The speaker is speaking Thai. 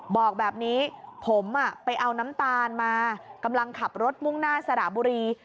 บอกแบบนี้ผมไปเอาน้ำตาลมากำลังขับรถมุ่งหน้าสระบุรี